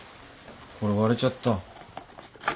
これ割れちゃった。